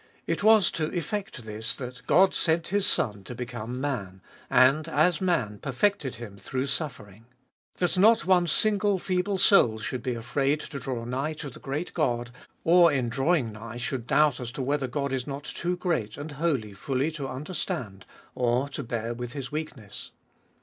It was to effect this that God sent His Son to become Man, and as Man perfected Him through suffering. That not one single feeble soul should be afraid to draw nigh to the great God, or in drawing nigh should doubt as to whether God is not too great and holy fully to understand, or to bear with his weakness.